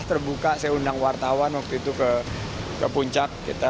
terbuka saya undang wartawan waktu itu ke puncak